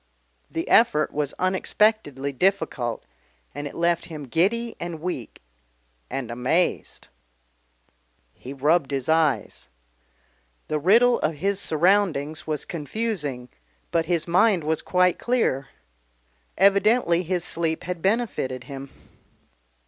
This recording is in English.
The effort was unexpectedly difficult, and it left him giddy and weak and amazed. He rubbed his eyes. The riddle of his surroundings was confusing but his mind was quite clear evidently his sleep had benefited him.